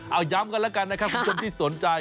เอาย้ำกันแล้วกันนะครับคุณผู้ชมที่สนใจ